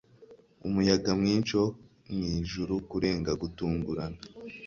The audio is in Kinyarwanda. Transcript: umuyaga mwinshi wo mwijuru. kurenga, gutungurana